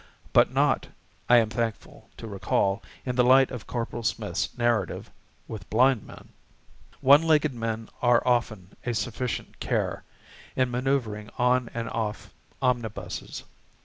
But not I am thankful to recall, in the light of Corporal Smith's narrative with blind men. One legged men are often a sufficient care, in manoeuvring on and off omnibuses.